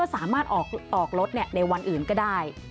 สามารถออกรถในวันอื่นก็ได้